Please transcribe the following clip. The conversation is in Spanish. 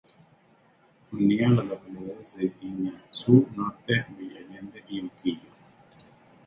Unía las localidades de Guiñazú Norte, Villa Allende y Unquillo.